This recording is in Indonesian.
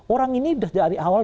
orang ini dari awal